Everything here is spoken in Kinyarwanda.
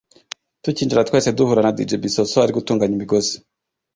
Tukinjira twahise duhura na Dj Bisosso ari gutunganya imigozi